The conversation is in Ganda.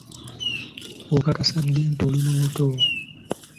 Okakasa ddi nti oli olubuto?